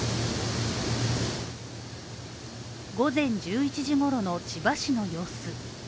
午前１１時ごろの千葉市の様子。